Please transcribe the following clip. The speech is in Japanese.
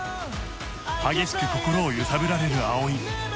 激しく心を揺さぶられる葵